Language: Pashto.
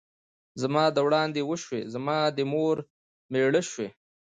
ـ زما دې وړاندې وشوې ، زما دې مور مېړه شوې.